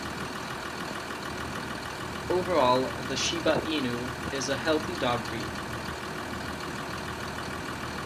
Overall, the Shiba Inu is a healthy dog breed.